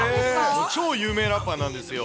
超有名ラッパーなんですよ。